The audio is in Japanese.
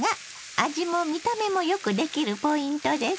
味も見た目もよくできるポイントです。